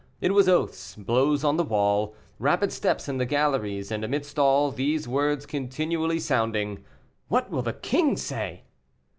It was oaths, blows on the wall, rapid steps in the galleries, and, amidst all, these words continually sounding, "What will the king say?"